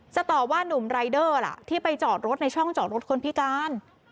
จะตอบว่านุ่มรายเดอร์ล่ะที่ไปจอดรถในช่องจอดรถคนพิการ